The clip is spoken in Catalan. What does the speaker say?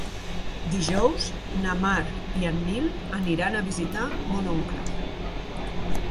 Dijous na Mar i en Nil aniran a visitar mon oncle.